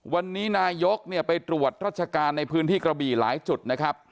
วันนี้นายกเนี่ยไปตรวจราชการในพื้นที่กระบี่หลายจุดนะครับ